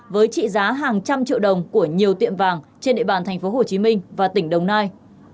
với trị giá hàng trăm triệu đồng của nhiều tiệm vàng trên địa bàn tp hcm và tỉnh đồng nai